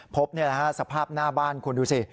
พบสภาพหน้าบ้านคุณดูสิ